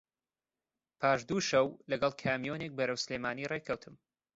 پاش دوو شەو لەگەڵ کامیۆنێک بەرەو سلێمانی ڕێ کەوتم